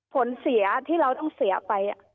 ผลเสียที่เราต้องเสียไป